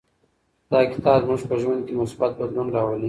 دا کتاب زموږ په ژوند کې مثبت بدلون راولي.